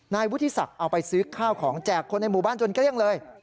นายวุฒิศักดิ์เอาไปซื้อข้าวของแจกคนในหมู่บ้านจนเกลี้ยงเลย